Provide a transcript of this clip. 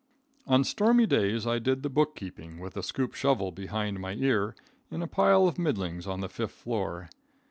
On stormy days I did the book keeping, with a scoop shovel behind my ear, in a pile of middlings on the fifth floor.